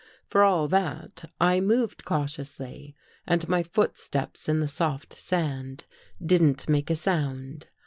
For all that I moved cautiously and my footsteps in the soft sand didn't make a sound.